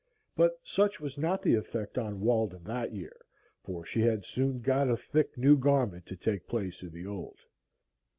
But such was not the effect on Walden that year, for she had soon got a thick new garment to take the place of the old.